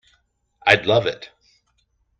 I'd love it.